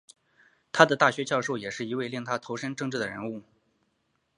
他的大学教授也是一位令他投身政治的人物。